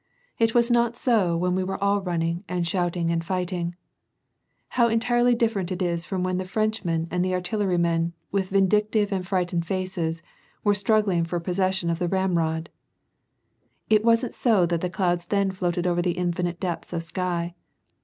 " It was not so when we were all running, and shouting, and fighting ; how entirely different it is from when the Frenchman and the artilleryman, with vindictive and frightened faces, were strug ghng for possession of the ramrod ; it wasn't so that the clouds then floated over those infinite depths of sky.